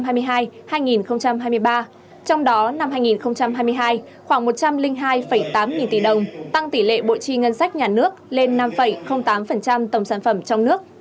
trong đó năm hai nghìn hai mươi hai khoảng một trăm linh hai tám nghìn tỷ đồng tăng tỷ lệ bộ chi ngân sách nhà nước lên năm tám tổng sản phẩm trong nước